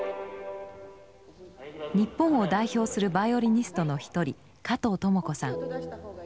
日本を代表するバイオリニストの一人加藤知子さん。